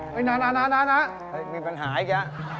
เป็นอะไรมันุ้มเหม็นมั้ย